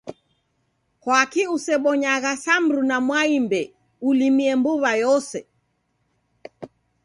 Kwaki usebonyagha sa mruna Mwaimbe ulimie mbuwa yose